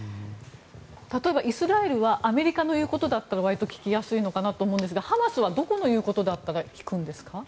例えば、イスラエルはアメリカの言うことだったら割と聞きやすいかなと思いますがハマスはどこの言うことだったら聞くんですか？